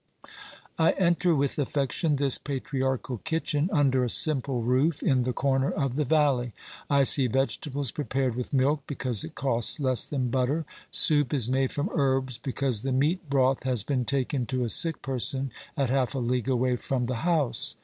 I enter with affection this patriarchal kitchen, under a simple roof, in the corner of the valley. I see vegetables prepared with milk because it costs less than butter ; soup is made from herbs because the meat broth has been taken to a sick person at half a league away from the house.